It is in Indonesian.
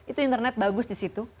itu internet bagus di situ